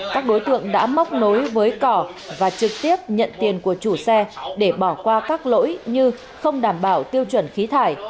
các đối tượng đã móc nối với cỏ và trực tiếp nhận tiền của chủ xe để bỏ qua các lỗi như không đảm bảo tiêu chuẩn khí thải